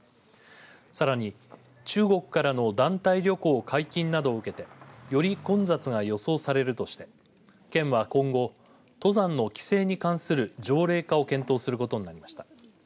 さらに中国からの団体旅行解禁などを受けてより混雑が予想されるとして県は今後登山の規制に関する条例化を検討することになりました。